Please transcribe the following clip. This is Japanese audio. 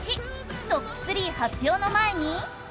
トップ３発表の前に。